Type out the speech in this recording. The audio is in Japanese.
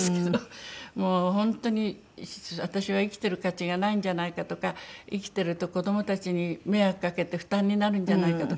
もう本当に私は生きてる価値がないんじゃないかとか生きてると子どもたちに迷惑かけて負担になるんじゃないかとか